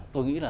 tôi nghĩ là